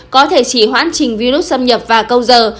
có thể chỉ hoãn trình virus xâm nhập và câu giờ